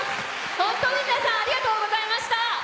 本当に皆さん、ありがとうございました。